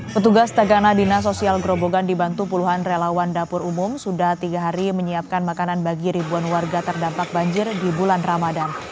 petugas tagana dina sosial gerobogan dibantu puluhan relawan dapur umum sudah tiga hari menyiapkan makanan bagi ribuan warga terdampak banjir di bulan ramadan